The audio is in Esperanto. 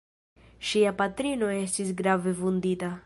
Ŝia patrino estis grave vundita.